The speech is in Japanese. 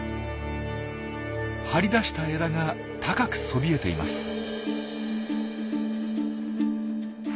張り出した枝が高くそびえています。